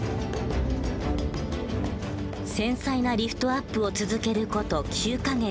繊細なリフトアップを続ける事９か月。